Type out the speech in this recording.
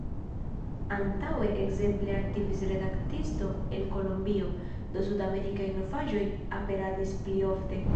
Antaŭe ekzemple aktivis redaktisto el Kolombio, do sudamerikaj novaĵoj aperadis pli ofte.